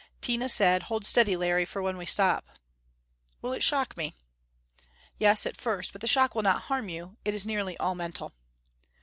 Tina said. "Hold steady, Larry, for when we stop." "Will it shock me?" "Yes at first. But the shock will not harm you: it is nearly all mental."